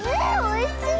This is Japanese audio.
おいしい？